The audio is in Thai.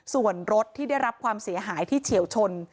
ส่วนรถที่ได้รับความเสียหายที่เฉียวชน